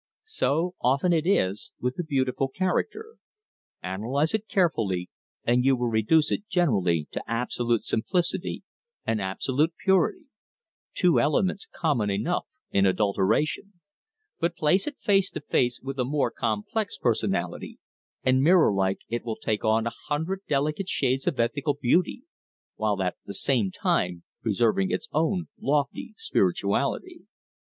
So often it is with a beautiful character. Analyze it carefully, and you will reduce it generally to absolute simplicity and absolute purity two elements common enough in adulteration; but place it face to face with a more complex personality, and mirror like it will take on a hundred delicate shades of ethical beauty, while at the same time preserving its own lofty spirituality.